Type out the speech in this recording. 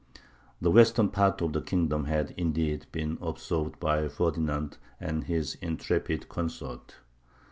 The western part of the kingdom had, indeed, been absorbed by Ferdinand and his intrepid consort.